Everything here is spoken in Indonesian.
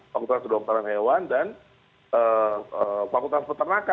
fakultas dokteran hewan dan fkh